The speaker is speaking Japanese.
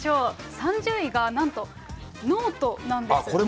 ３０位がなんと、ノートなんです。